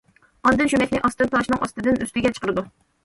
ئاندىن شۈمەكنى ئاستىن تاشنىڭ ئاستىدىن ئۈستىگە چىقىرىدۇ.